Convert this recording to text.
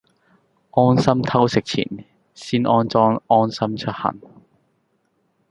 安心偷食前先安裝安心出行